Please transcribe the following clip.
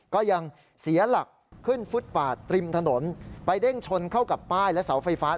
ก็ยังเสียหลักขึ้นฟุตปาดริมถนนไปเด้งชนเข้ากับป้ายและเสาไฟฟ้า